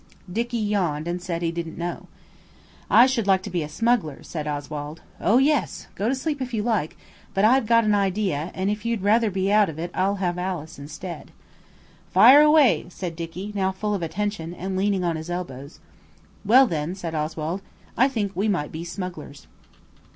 Dicky yawned and said he didn't know. "I should like to be a smuggler," said Oswald. "Oh, yes, go to sleep if you like; but I've got an idea, and if you'd rather be out of it I'll have Alice instead." "Fire away!" said Dicky, now full of attention, and leaning on his elbow. "Well, then," said Oswald, "I think we might be smugglers."